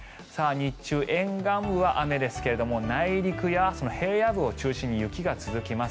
日中、沿岸部は雨ですが内陸や平野部を中心に雪が続きます。